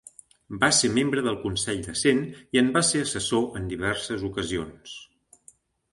Va ser membre del Consell de Cent i en va ser assessor en diverses ocasions.